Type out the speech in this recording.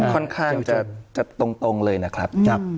ค่อนข้างจะตรงเลยนะครับ